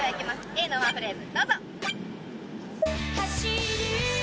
Ａのワンフレーズどうぞ走る雲の